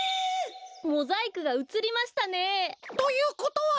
モザイクがうつりましたね。ということは？